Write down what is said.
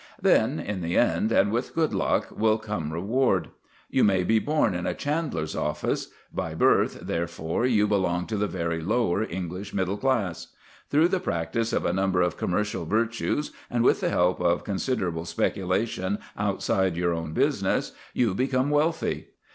Then in the end, and with good luck, will come reward. You may be born in a chandler's shop. By birth, therefore, you belong to the very lower English middle class. Through the practice of a number of commercial virtues, and with the help of considerable speculation outside your own business, you become wealthy.